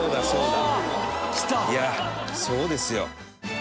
いやそうですよ。